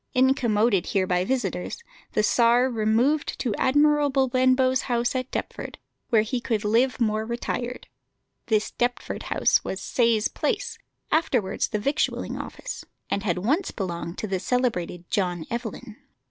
Incommoded here by visitors, the Czar removed to Admiral Benbow's house at Deptford, where he could live more retired. This Deptford house was Sayes Place, afterwards the Victualling Office, and had once belonged to the celebrated John Evelyn.